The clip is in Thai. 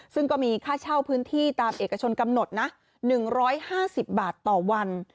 ซึ่งก็มีค่าเช่าพื้นที่ตามเอกชนกำหนดนะ๑๕๐บาทต่อวัน